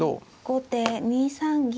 後手２三銀。